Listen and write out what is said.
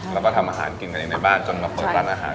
แล้วก็ทำอาหารกินกันเองในบ้านจนมาเปิดร้านอาหาร